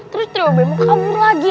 terus trio bemo kabur lagi